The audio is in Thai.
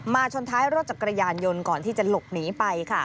ชนท้ายรถจักรยานยนต์ก่อนที่จะหลบหนีไปค่ะ